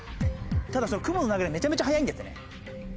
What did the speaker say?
ただその雲の流れがめちゃめちゃ速いんですね。